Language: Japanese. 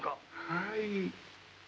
はい。